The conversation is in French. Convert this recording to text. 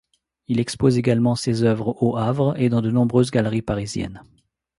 Il expose également ses œuvres au Havre et dans de nombreuses galeries parisiennes.